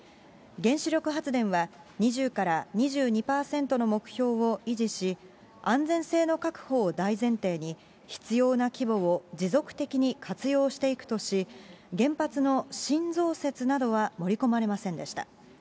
原子力発電は、２０から２２％の目標を維持し、安全性の確保を大前提に、必要な規模を持続的に活用していくとし、原発の新増設などは盛り込まれませんでした。